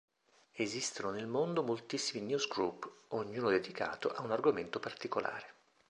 Esistono nel mondo moltissimi "newsgroup", ognuno dedicato a un argomento particolare.